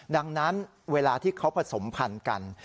ดังนั้นเวลาที่เขาผสมพันธุ์กัน